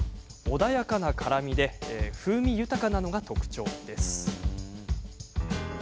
穏やかな辛みで風味豊かなのが特徴です。